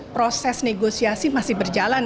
proses negosiasi masih berjalan